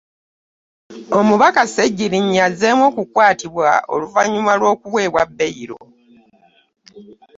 Omubaka Ssegirinnya azzeemu okukwatibwa oluvannyuma lw'okuweebwa bbeyiro.